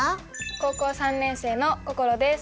高校３年生の心です。